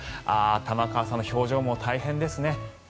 ああ、玉川さんの表情も大変ですね。